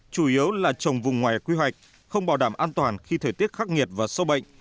chủ yếu là trồng vùng ngoài quy hoạch không bảo đảm an toàn khi thời tiết khắc nghiệt và sâu bệnh